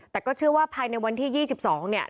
แต่ก็เชื่อว่าภายในวันที่๒๒เนี่ย